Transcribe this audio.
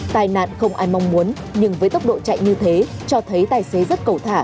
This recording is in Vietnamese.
tài nạn không ai mong muốn nhưng với tốc độ chạy như thế cho thấy tài xế rất cẩu thả